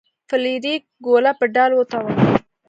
فلیریک ګوله په ډال وتاوله.